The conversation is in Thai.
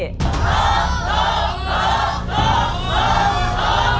หรอกหรอกหรอกหรอกหรอก